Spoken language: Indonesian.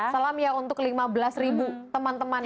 salam ya untuk lima belas ribu teman teman